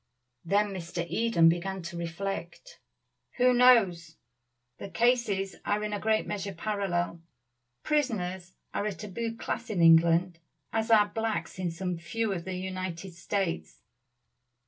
Then Mr. Eden began to reflect. "Who knows? The cases are in a great measure parallel. Prisoners are a tabooed class in England, as are blacks in some few of the United States.